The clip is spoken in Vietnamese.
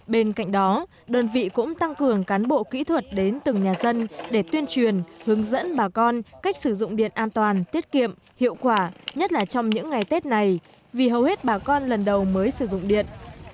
bên cạnh đó đơn vị cũng tăng cường cán bộ kỹ thuật đến từng nhà dân để tuyên truyền hướng dẫn bà con cách sử dụng điện an toàn tiết kiệm hiệu quả nhất là trong những ngày tết này vì hầu hết bà con lần đầu mới sử dụng điện